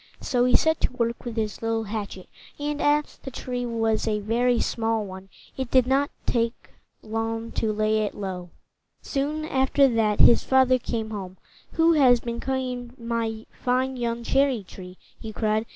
So he set to work with his little hatchet, and, as the tree was a very small one, it did not take long to lay it low. Soon after that, his father came home. "Who has been cutting my fine young cherry tree?" he cried.